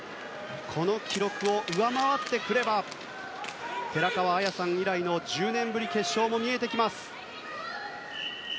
この記録を上回ってくれば寺川綾さん以来の１０年ぶりの決勝も見えてきます。